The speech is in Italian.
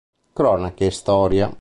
Cronache e Storia".